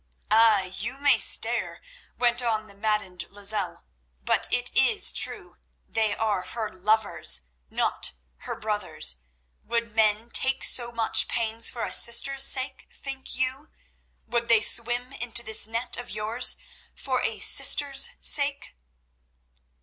"Ay, you may stare," went on the maddened Lozelle, "but it is true—they are her lovers, not her brothers. Would men take so much pains for a sister's sake, think you? Would they swim into this net of yours for a sister's sake?"